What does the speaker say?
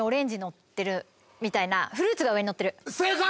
正解！